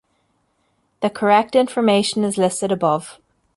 The correct information is listed above.